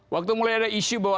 waktu mulai ada isu bahwa